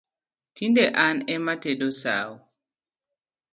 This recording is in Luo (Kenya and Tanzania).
Tinde an ema atedo sau